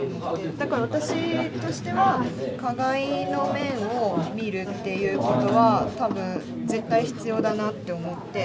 だから私としては加害の面を見るっていう事は多分絶対必要だなって思って。